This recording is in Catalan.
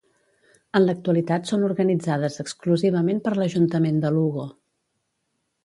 En l'actualitat són organitzades exclusivament per l'Ajuntament de Lugo.